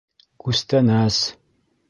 Күстәнәс!